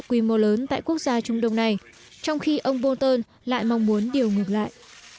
quy mô lớn tại quốc gia trung đông này trong khi ông bolton lại mong muốn điều ngược lại